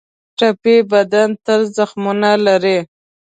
ټپي بدن تل زخمونه لري.